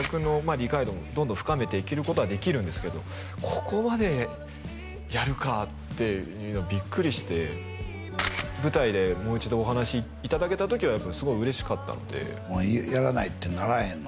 理解度もどんどん深めていけることはできるんですけどここまでやるかってビックリして舞台でもう一度お話いただけたときはやっぱりすごい嬉しかったのでもうやらないってならへんの？